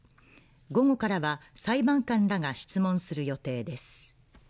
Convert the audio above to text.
午後からは裁判官らが質問する予定です